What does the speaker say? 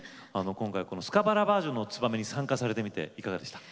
今回このスカパラバージョンの「ツバメ」に参加されてみていかがでした？